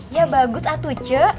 ya bagus atu ce